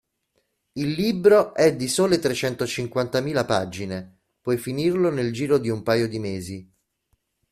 Il libro è di sole trecentocinquantamila pagine, puoi finirlo nel giro di un paio di mesi.